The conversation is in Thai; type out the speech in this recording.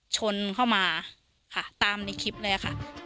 ชนเข้ามาค่ะตามในคลิปเลยค่ะ